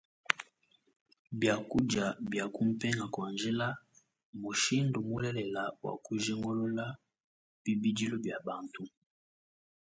Biakudia bia kumpenga kua njila mmushindu mulelela wa kujingulula bibidilu bia bantu.